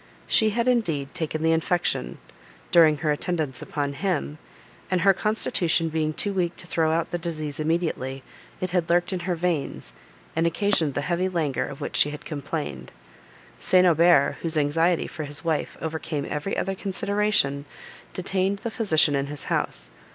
She had, indeed, taken the infection, during her attendance upon him, and, her constitution being too weak to throw out the disease immediately, it had lurked in her veins, and occasioned the heavy languor of which she had complained. St. Aubert, whose anxiety for his wife overcame every other consideration, detained the physician in his house.